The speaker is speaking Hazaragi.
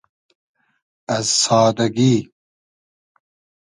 از سادئگی